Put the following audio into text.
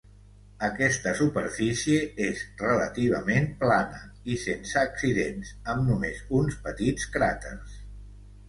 Aquesta superfície és relativament plana i sense accidents, amb només uns petits cràters.